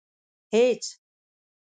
هېڅ.